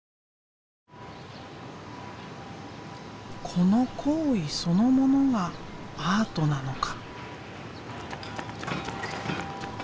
この行為そのものがアートなのか？